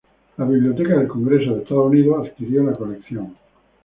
La Biblioteca del Congreso de Estados Unidos adquirió la colección.